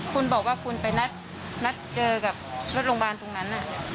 คุณบอกว่าคุณไปนัดเจอกับรถโรงพยาบาลตรงนั้น